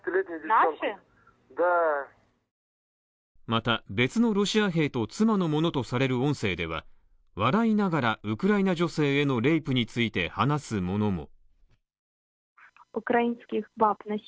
また、別のロシア兵と妻のものとされる音声では笑いながらウクライナ女性へのレイプについて話すものも。